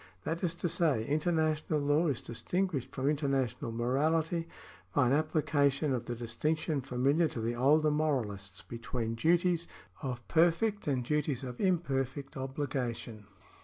That is to say, international law is distinguished from international morality by an application of the distinction familiar to the older morahsts between duties of perfect and duties of imperfect obligation.